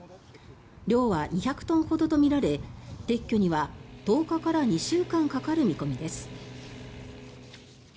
量は２００トンほどとみられ撤去には１０日から２週間かかる見込みです。